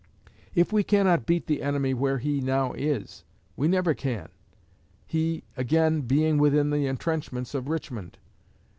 If we cannot beat the enemy where he now is, we never can, he again being within the intrenchments of Richmond.